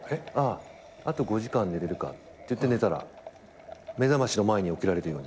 あと５時間寝れるかっていって寝たら目覚ましの前に起きられるように。